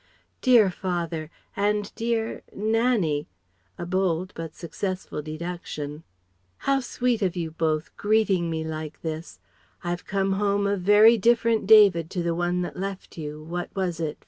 "Dear father! And dear ... Nannie! (A bold but successful deduction). How sweet of you both greeting me like this. I've come home a very different David to the one that left you what was it?